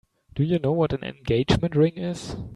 Do you know what an engagement ring is?